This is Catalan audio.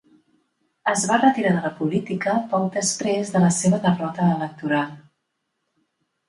Es va retirar de la política poc després de la seva derrota electoral.